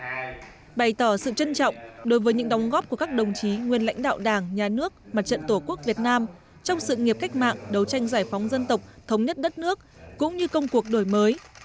chủ tịch ubnd mặt trận tổ quốc việt nam trần thanh mẫn đã đến thăm chúc tết các đồng chí nguyên lãnh đạo đảng nhà nước và mặt trận tổ quốc việt nam trong sự nghiệp cách mạng đấu tranh giải phóng dân tộc thống nhất đất nước cũng như công cuộc đổi mới